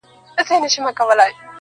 د ميني ننداره ده، د مذهب خبره نه ده.